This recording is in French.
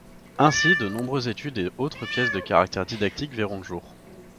Ainsi, de nombreuses études et autres pièces de caractère didactique verront le jour.